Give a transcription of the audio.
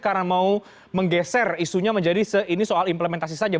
karena mau menggeser isunya menjadi ini soal implementasi saja